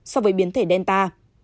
so với biến thể delta